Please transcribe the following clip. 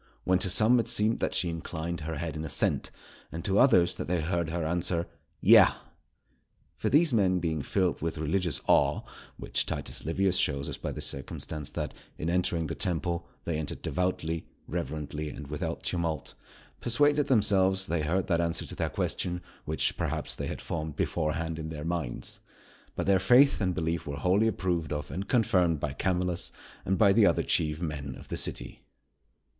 _" when to some it seemed that she inclined her head in assent, and to others that they heard her answer, "Yea." For these men being filled with religious awe (which Titus Livius shows us by the circumstance that, in entering the temple, they entered devoutly, reverently, and without tumult), persuaded themselves they heard that answer to their question, which, perhaps, they had formed beforehand in their minds. But their faith and belief were wholly approved of and confirmed by Camillus and by the other chief men of the city.